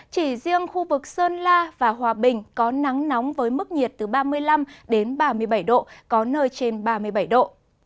chỉ riêng khu vực sơn la và hòa bình có nắng nóng với mức nhiệt từ ba mươi năm đến ba mươi bảy độ có nơi trên ba mươi bảy độ